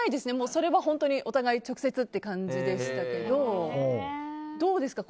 それは本当にお互い直接って感じでしたけどどうですか？